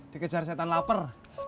dikejar setan lapar